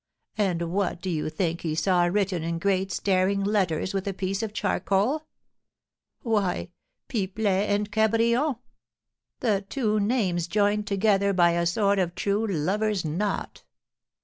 And what do you think he saw written in great staring letters with a piece of charcoal? why, 'Pipelet and Cabrion!' the two names joined together by a sort of true lover's knot.